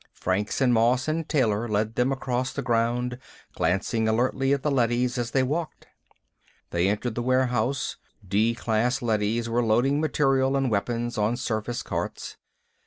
Franks and Moss and Taylor led them across the ground, glancing alertly at the leadys as they walked. They entered the warehouse. D class leadys were loading material and weapons on surface carts.